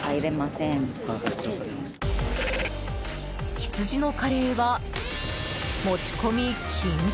羊のカレーは、持ち込み禁止。